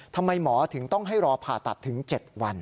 ทำไมหมอถึงต้องให้รอผ่าตัดถึง๗วัน